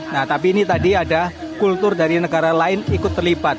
nah tapi ini tadi ada kultur dari negara lain ikut terlibat